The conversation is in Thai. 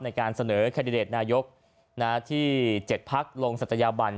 ในการเสนอแคนดิเดตนายกที่๗พักลงศัตยาบัน